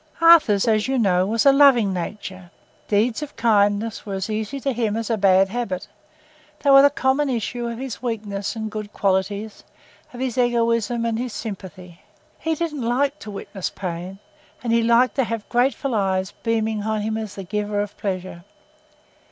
Arthur's, as you know, was a loving nature. Deeds of kindness were as easy to him as a bad habit: they were the common issue of his weaknesses and good qualities, of his egoism and his sympathy. He didn't like to witness pain, and he liked to have grateful eyes beaming on him as the giver of pleasure.